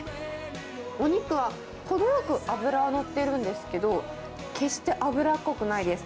お肉は程よく脂が乗ってるんですけど、決して脂っこくないです。